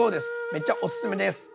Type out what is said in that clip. めちゃおすすめです！